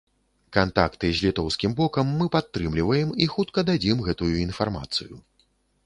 Кантакты з літоўскім бокам мы падтрымліваем і хутка дадзім гэтую інфармацыю.